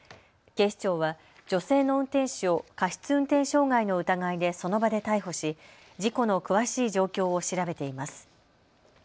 警視庁は女性の運転手を過失運転傷害の疑いでその場で逮捕し事故の詳しい状況を調べています。